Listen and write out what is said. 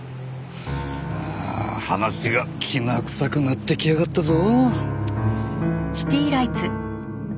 ああ話がきな臭くなってきやがったぞ。